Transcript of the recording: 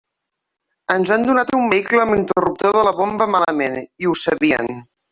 Ens han donat un vehicle amb l'interruptor de la bomba malament i ho sabien.